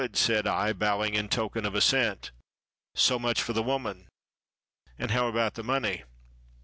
said I, bowing in token of assent. "So much for the woman. And how about the money?"